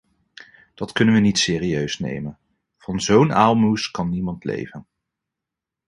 Dat kunnen we niet serieus nemen: van zo'n aalmoes kan niemand leven.